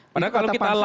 padahal kalau kita